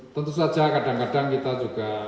tentu saja kadang kadang kita juga